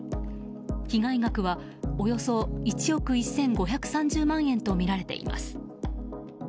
被害額はおよそ１億１５３０万円とみられています。